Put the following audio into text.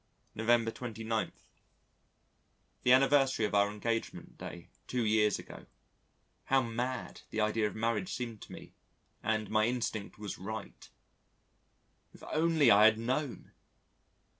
November 29. The anniversary of our engagement day two years ago. How mad the idea of marriage seemed to me and my instinct was right: if only I had known!